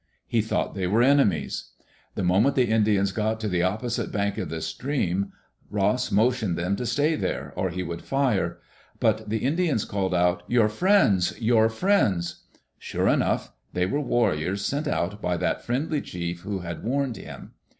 He thought they were enemies. The moment the Indians got to the opposite bank of the stream, Ross motioned them to stay there, or he would fire. But the Indians called out, "Your friends 1 Your friends !'• Sure enough 1 They were warriors sent out by that friendly chief who had warned him.